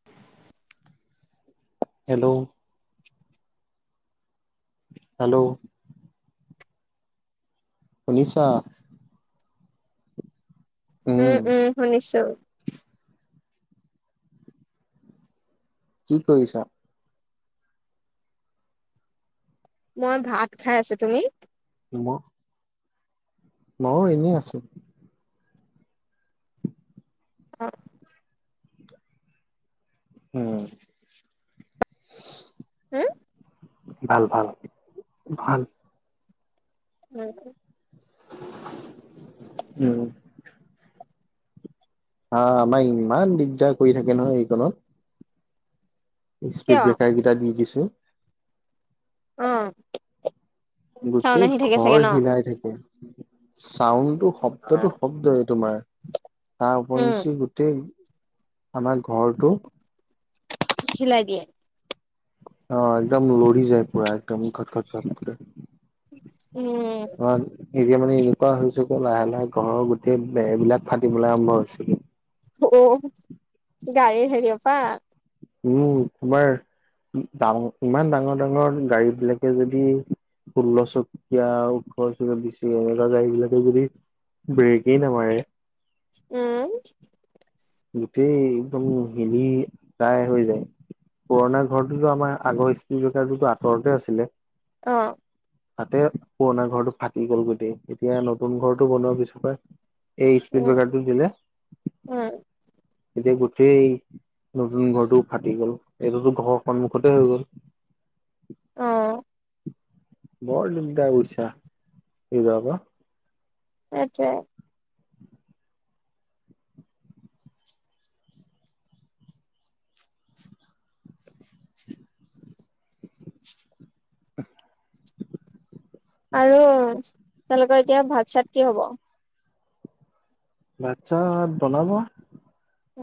[unintelligible] Hello hello শুনিছা উম উম শুনিছো কি কৰিছা মই ভাত খাই আছো তুমি ম মইয়ো এনেই আছো অ উম উম ভাল ভাল ভাল উম উম উম হা আমাৰ ইমান দিগদাৰ কৰি থাকে নহয় এইকত কিয় স্পীড ব্ৰেকাৰ কেইটা দি দিছে। অ চাউন গোটেই আহি থাকে চাগে ঘৰ ন হিলাই থাকে চাউণ্ডটো শব্দটো শব্দৰে তোমাৰ তাৰ উম উপৰিঞ্চি গোটেই আমাৰ ঘৰটো হিলাই দিয়ে অ একদম লৰি যায় পুৰা একদম ঘত ঘত ঘত কে উম অ এতিয়া মানে এনেকুৱা হৈ হৈছে ক লাহে লাহে ঘৰৰ গোটেই বেৰবিলাক ফাটিবলৈ আৰম্ভ হৈছে গে। অ গাড়ীৰ হেৰিঅ পা উম তোমাৰ ডাঙ ইমান ডাঙৰ ডাঙৰ গাড়ী বিলাকে যদি ষোল্ল চকীয়া ওঠৰ চকিয়া বিছ চকিয়া এনেকুৱা গাড়ী বিলাকে যদি ব্ৰেকেই নামাৰে উম গোটেই একদম হিলি প্ৰায় হৈ যায় পুৰণা ঘৰটোতো আমাৰ আগৰ স্ত্ৰী জোটা যোট আঁতৰতে আছিলে অ তাতে পুৰণা ঘৰটো ফাটি গ'ল গৈটেই এতিয়া নতুন ঘৰটো বনোৱা পিছপাই এই স্পিড উম ব্ৰেকাৰটো দিলে উম এতিয়া গোটেই নতুন ঘৰটো ফাটি গ'ল এইটোতো ঘৰৰ সন্মুখতে হৈ গ'ল অ বৰ দিগদাৰ বুইছা এইবাব পা সেইটোৱে [unintelligible] আৰু তেওঁলোকৰ এতিয়া ভাত চাত কি হব ভাত চাত বনাব অ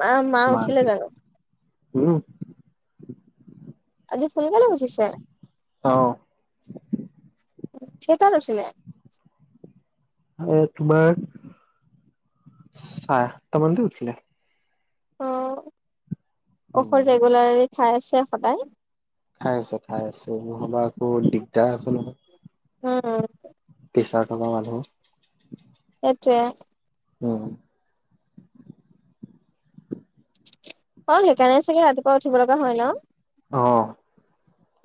মা মা উঠিলে জানো উহো আজি সোনকালে উঠিছে অ কেই তাত উঠিলে এ তোমাৰ চাৰে আঠতা মানতে উঠিলে অঁ উম, ঔষধ ৰেগুলাৰলি খাই আছে সদায় খাই আছে খাই আছে নহ'বা আকৌ দিগদাৰ আছে নহয় অ পইছা থকা মানুহ এটোৱে উম অ সেইকাৰণে চাগে ৰাতিপুৱা উঠিব লগা হয় ন অ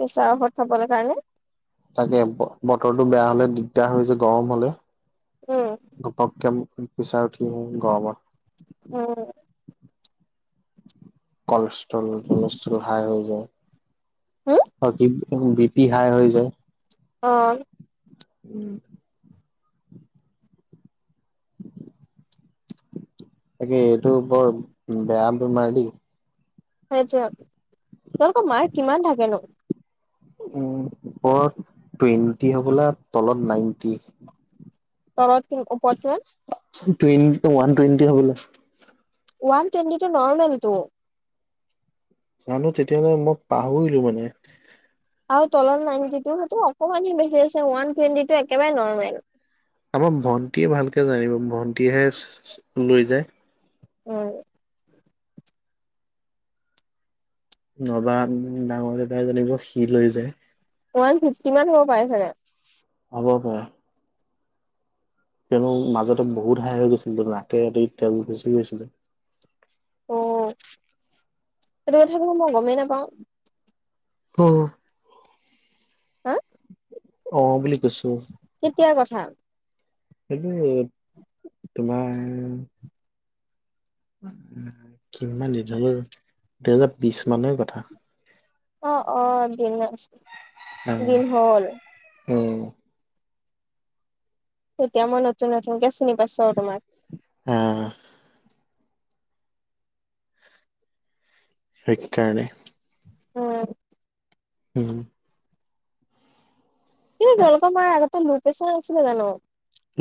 পেচা ঔষধ খাবলৈ কাৰণে তাকে বতৰটো বেয়া হলে দিগদাৰ হৈ যে গৰম হলে অ ঘপককে প্ৰেচাৰ উঠি আহে গৰমত অ কলেষ্ট্ৰল কলেষ্ট্ৰল হাই হৈ হম যায় বি পি হাই হৈ যায় অ উম তাকে এইটো বৰ বেয়া বেমাৰ দেই সেইটোৱে তোমালোকৰ মাৰ কিমান থাকেনো উ ওপৰত টুৱেণ্টি হবলৈ তলত নাইনটি তলত কিমান ওপৰত কিমান টুৱেন্টি টো ওৱান টুৱেন্টি হ'ব লাগিছিল ওৱান টুৱেণ্টিটো নৰ্মেলটো জানো তেতিয়াহলে মই পাহৰিলো মানে আৰু তলত নাইটি টো সেইটো অকণমানহে বেছি আছে ওৱান টুৱেণ্টি টো একেবাৰে নৰ্মেল আমাৰ ভণ্টীয়ে ভালকে জানিব ভণ্টীয়েহে চচ লৈ যায় উম নবা ডাঙৰ দাদাই জানিব সি লৈ যায় ওৱান ফিফটি মান হ'ব পাৰে চাগে হ'ব হ'ব তেওঁৰো মাজতে বহুত হাই হৈ গৈছিল নাকেদি তেজ গুচি গৈছিলে অ এই কথাটো মই গমেই নাপাওঁ হু হা অ বুলি কৈছো কেতিয়া কথা সেইটো তোমাৰ কিমান দিন হল অঁ দুহেজাৰ বিশ মানৰ কথা অ অ দিন দিন হ'ল উম এতিয়া মই নতুন নতুনকে চিনি পাইছো আৰু তোমাক। উম। সেইকাৰণে। উম। হুম। কিন্তু তোমালোকৰ মা আগতে ল প্ৰেছাৰ নাছিলে জানো?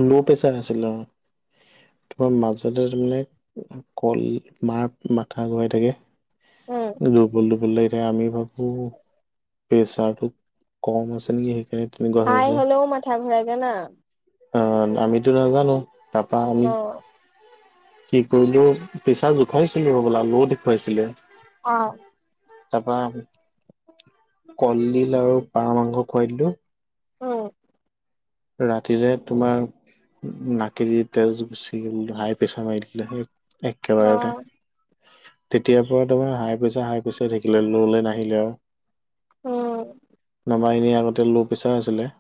ল' প্ৰেছাৰ আছিল অ। তোমাৰ মাজতে তাৰমানে কল মাৰ মাথা ঘোৰাই থাকে। উম দুৰ্বল দুৰ্বল লাগি থাকে আমি ভাবো প্ৰেচাৰটো কম আছে নেকি সেইকাৰণে তেনেকুৱা হৈ হাই আছে। হলেও মাথা ঘূৰাই জানা? অ আমিতো নাজানো তাৰাপা আমি অ কি কৰিলো পেছা জোখাইছিলো হবলা ল দেখুৱাইছিলে। অঁ। তাৰপা কলডিল আৰু পাৰ মাংস খুৱাই দিলো অঁ। ৰাতিৰে তোমাৰ নাকে দি তেজ গুচি গ হাই প্ৰেছাৰ মাৰি দিলে সেই অ একেবাৰতে। তেতিয় পৰা তোমাৰ হাই প্ৰেছাৰ হাই প্ৰেছাৰ থাকিলে ল লে নাহিলে আও। অ। আমাৰ এনেই আগতে ল' প্ৰেছাৰ হৈছিলে।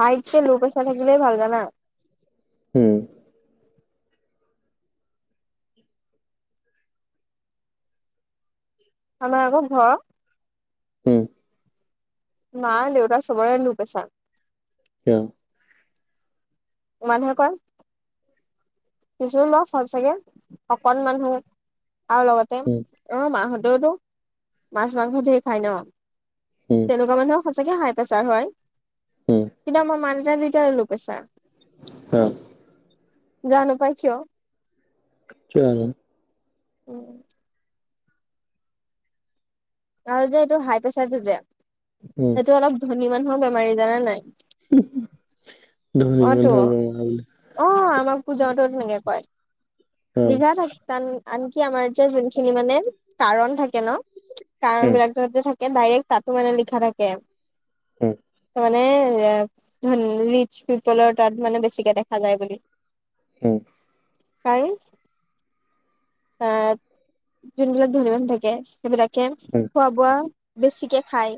হাইটকে ল' প্ৰেছাৰ থাকিলে ভাল জানা? উম। আমাৰ আগৰ ঘৰৰ উম। মা দেউতা চবৰে লো প্ৰেছাৰ। উম। মানুহে কয় কিছো ল সচাকে শকত মানুহ আৰু লগতে উম অ মাহতেওতো মাছ মাংস ধেই খাই ন। উম। তেনেকুৱা মানুহৰ সচাকে হাই প্ৰেছাৰ হয়। উম কিন্তু আমাৰ মা দেউতাৰ দুইটাৰ ল প্ৰেছাৰ, অ জানো পাই কিয়? কিয় নো? উম। আৰু যে এইটো হাই প্ৰেছাৰটো যে উম। সেইটো অলপ ধনী মানুহৰ বেমাৰী, জানা নাই? ধনী অ তো মানুহৰ বেমাৰী। অ আমাৰ পূজাহঁতৰ তেনেকোৱাই, অ [unintelligible] আনকি আমাৰ এতিয়া যোনখিনি মানে কাৰণ থাকে ন কাৰণ বিলাক ত যে থাকে ডাইৰেক্ট তাতো মানে লিখা থাকে ত মানে এ ধন ৰিচ পিপলৰ তাত মানে বেছিকে দেখা যায় বুলি। উম। তাই আহ, যোনবিলাক ধনী মানুহ থাকে। সেইবিলাকে ধনী খোৱা-বোৱা বেছিকে খাই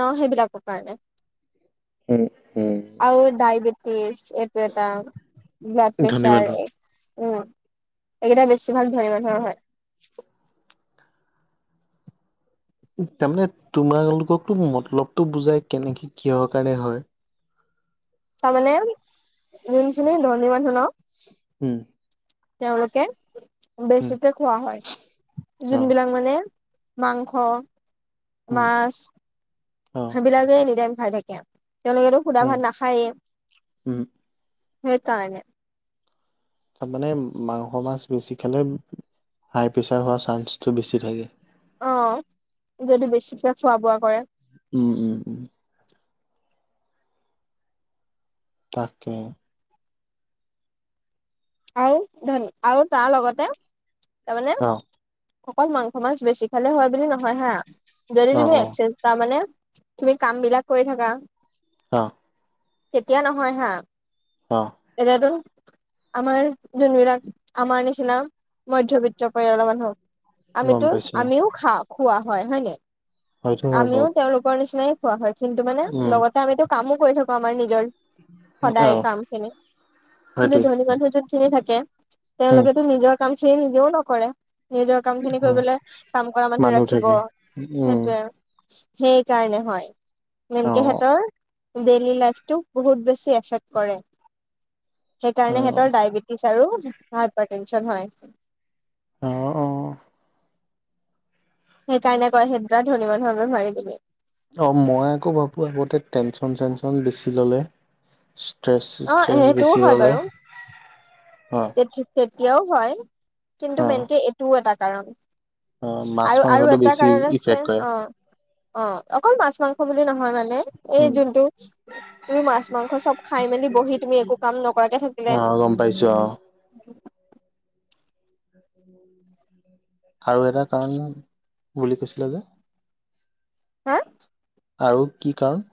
ন সেইবিলাকৰ কাৰণে। উম, উম। আৰু ডায়বেটিছ, এইটো এটা ব্লাড মানুহ প্ৰেছাৰে। অ' এইকেইটা বেছি ভাগ ধনী মানুহৰ হয়। তাৰমানে তোমালোককতো মতলবটো বুজাই, কেনেকে কিহৰ কাৰণে হয়। তাৰমানে যোনখিনি ধনী মানুহ ন'। উম। তেওঁলোকে উম বেছিকে খোৱা হয়। অ যোনবিলাক মানে মাংস উম মাছ, অ সেইবিলাকে এনি টাইম খাই থাকে। তেওঁলোকেতো শুদা উম ভাত নাখায়েই, উম সেইকাৰণে। তাৰমানে মাংস-মাছ বেছি খালে হাই প্ৰেছাৰ হোৱা চাঞ্চটো বেছি থাকে। অ', যদি বেছিকে খোৱা-বোৱা কৰে। উম, উম। উম তাকে। আৰু ধন আৰু তাৰ লগতে তাৰমানে অ অকল মাংস-মাছ বেছি খালে হয় বুলি নহয় হা, যদি অ তুমি অ এক্সেৰ তাৰমানে তুমি কাম বিলাক কৰি থাকা, অ'। তেতিয়া নহয় হা? অ'। [unintelligible] আমাৰ যোনবিলাক আমাৰ নিচিনা মধ্যবিত্ত পৰিয়ালৰ মানুহক গম আমিতো পাইছো আমিও খাও খোৱা হয় নে? হয়তো হয় আমিও বাৰু তেওঁলোকৰ নিচিনাই খোৱা হয়, কিন্তু মানে উম লগতে আমিতো কামো কৰি থাকোঁ আমাৰ নিজৰ। অ সদায় কামখিনি, কিন্তু হয়তো ধনী মানুহ যোনখিনি থাকে, উম তেওঁলোকেতো নিজৰ কামখিনি নিজেও নকৰে। নিজৰ কামখিনি উম কৰিবলে কাম কৰা মানুহে মানুহ ৰাখিব, থাকে উম সেইটোৱে। সেইকাৰণে হয়, অ মেইনকে সেত'ৰ ডেইলি লাইফটো বহুত বেছি এফেক্ট কৰে, অ সেইকাৰণে সে [unintelligible] অঁ, অঁ। সেইকাৰণে কয় সেই [unintelligible] অ', মই আকৌ ভাবো সিহঁতে টেনচন-চেনচন বেছিকে লয়। অ ষ্ট্ৰেছ-ষ্ট্ৰেছ সেইটোও বেছি হয় ল'লে বাৰু অ'। তেতিয়াও হয়, কিন্তু অ মেইনকে এইটোও এটা কাৰণ। অ মাছ আৰু আৰু মাংসটো এটা বেছি কাৰণ আছে ইফেক্ট কৰে অ'। অ' অকল মাছ-মাংস বুলি নহয় মানে? এই উম যোনটো তুমি মাছ-মাংস চব খাই-মেলি বহি তুমি একো কাম নকৰাকে থাকিলে। অ গম পাইছোঁ অ'। [unintelligible] [unintelligible] আৰু এটা কাৰণ বুলি কৈছিলে যে? হা আৰু কি কাৰণ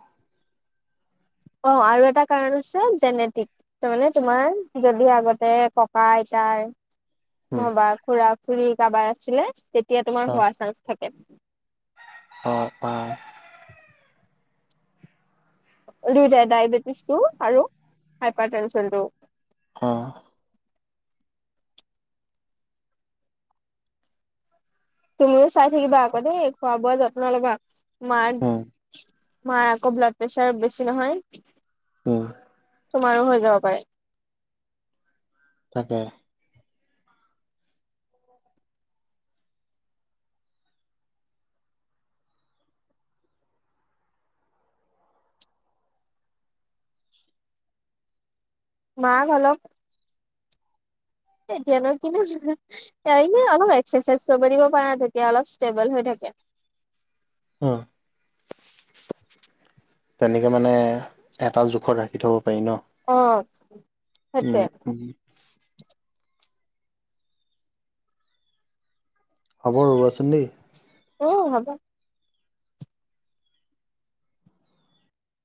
অ আৰু এটা কাৰণ হৈছে জেনেটিক। তাৰ মানে তোমাৰ যদি আগতে ককা আইতাৰ উম নহবা খুড়া খুড়ী কাৰবাৰ আছিলে তেতিয়া তোমাৰ অ হোৱা চান্স থাকে। হ পা দুইটাই ডায়বেটিছটো আৰু হাইপাৰ টেনচনটো। অঁ তুমিও চাই থাকিবা আক দেই খোৱা বোৱা যত্ন লবা, মাক উম মাৰ আকৌ ব্লাড প্ৰেছাৰ বেছি নহয়। উম তোমাৰো হৈ যাব পাৰে। তাকে মাক অলপ এতিয়া নু কিনু এনে অলপ এক্সাৰচাইজ কৰিব দিব পাৰা তেতিয়া অলপ ষ্টেবল হৈ থাকে। [unintelligible] তেনেকে মানে এটা জোখত ৰাখি থব পাৰি ন। অঁ উম উম হ'ব ৰবাচোন দেই। অঁ হ'ব।